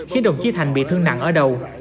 khiến đồng chí thành bị thương nặng ở đầu